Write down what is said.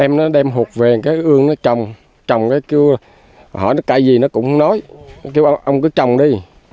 em nó đem hột về cái ương nó trồng trồng cái kêu hỏi cái gì nó cũng nói kêu ông cứ trồng đi